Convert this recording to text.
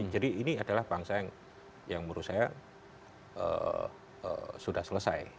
jadi ini adalah bangsa yang menurut saya sudah selesai